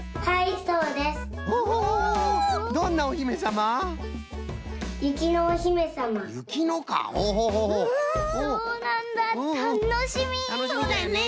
そうだよね！